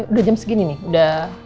udah jam segini nih